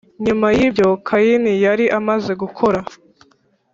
Nyuma y ibyo Kayini yari amaze gukora